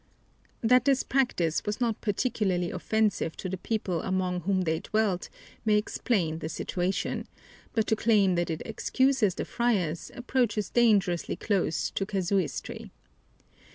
That this practise was not particularly offensive to the people among whom they dwelt may explain the situation, but to claim that it excuses the friars approaches dangerously close to casuistry.